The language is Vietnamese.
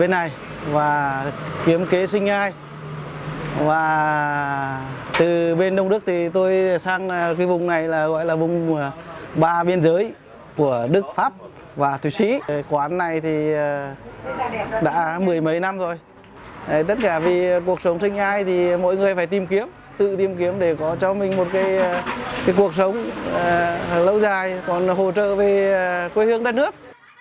nằm trên nhai thì mọi người phải tìm kiếm tự tìm kiếm để có cho mình một cuộc sống lâu dài còn hỗ trợ về quê hương đất nước